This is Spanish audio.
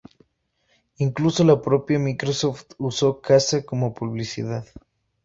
Incluso la propia Microsoft uso Kazaa como publicidad.